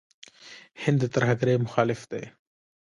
هند د ترهګرۍ مخالف دی.